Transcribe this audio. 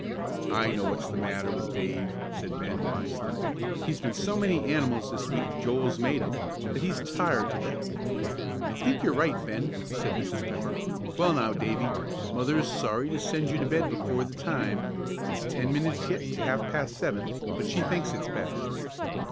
"I know what's the matter with Dave," said Ben, wisely. "He's been so many animals this week, Joel's made him, that he's tired to death." "I think you're right, Ben," said Mrs. Pepper. "Well now, Davie, Mother is sorry to send you to bed before the time it's ten minutes yet to half past seven; but she thinks it best."